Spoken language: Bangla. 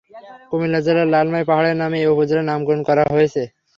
কুমিল্লা জেলার লালমাই পাহাড়ের নামে এ উপজেলার নামকরণ করা হয়েছে।